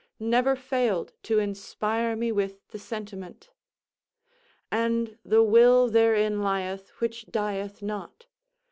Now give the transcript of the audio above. never failed to inspire me with the sentiment: "And the will therein lieth, which dieth not.